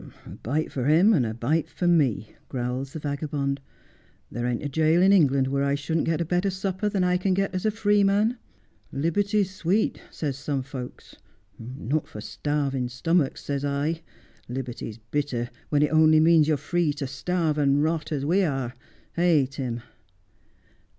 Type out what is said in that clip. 8 Just as I Am. 'A. bite for him, and a bite for me,' growls the vagabond. ' There ain't a jail in England where I shouldn't get a better supper than I can get as a free man. " Liberty's sweet," says some folks. Not for starving stomachs, says I. Liberty's bittei , when it only means you're free to starve and rot — as we are — eh, Tim